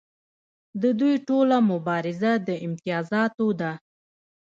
د دوی ټوله مبارزه د امتیازاتو ده.